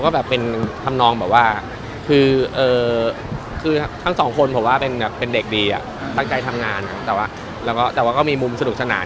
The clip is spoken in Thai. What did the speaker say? ก็เนี่ยภาพก็เป็นทำนองแบบว่าคือทั้งสองคนเป็นเด็กดีเลยตั้งใจทำงานเราก็มีมุมสนุกสนาน